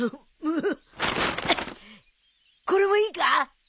これもいいか？